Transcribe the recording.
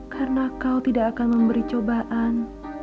karena kau tidak akan memberi cobaan